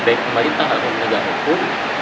baik pemerintah atau penegak hukum